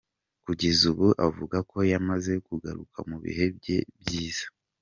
Kugeza ubu avuga ko yamaze kugaruka mu bihe bye byiza.